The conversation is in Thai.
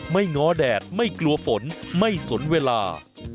ง้อแดดไม่กลัวฝนไม่สนเวลา